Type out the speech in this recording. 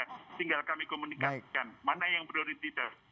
tinggal kami komunikasikan mana yang prioritas